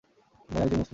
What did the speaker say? তিনি ছিলেন একজন মুসলিম।